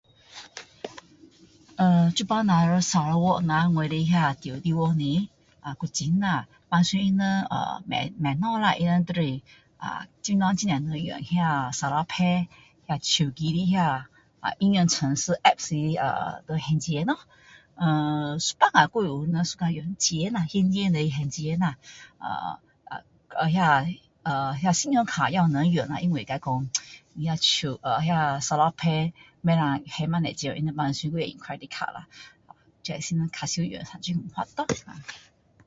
【Erm】现在我们若在sarawak啊，我的那个住的地方是吗，啊古晋啊，平常他们【erm】买东西啦，他们就是啊现在很多人用那个sarawak pay，那个手机的那个应用程序apps来的拿来还钱咯。【erm】有时候有些人还是用钱啦，现金拿来还钱啦。【erm】那个【erm】那个信用卡还是有人用啦，因为如果说像那个sarawak pay不能还那么多钱，他们平时还是用credit card啦。这是他们比较常用来 [unintelligible] 咯。